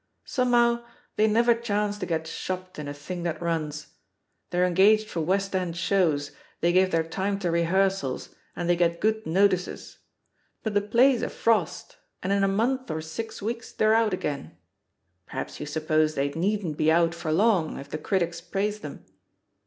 Somehow they never chance to get shopped in a thing that runs. They're engaged for West End JTHE POSITION OF PEGGY HARPER 9 shows, they give their time to rehearsals, and they get good notices. But the play's a frost, and in a month or six weeks they're out again. Perhaps you suppose they needn't be out for long, if the critics praise them?